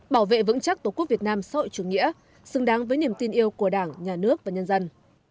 bảo vệ vững chắc tổ quốc việt nam xã hội chủ nghĩa xứng đáng với niềm tin yêu của đảng nhà nước và nhân dân